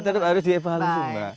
tetap harus dievaluasi mbak